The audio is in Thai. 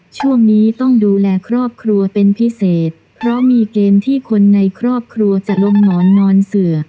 ช่วงนี้ต้องดูแลครอบครัวเป็นพิเศษเพราะมีเกมที่คนในครอบครัวจะลงหมอนนอนเสือ